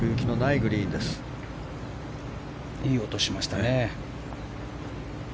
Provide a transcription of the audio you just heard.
いい音しましたね。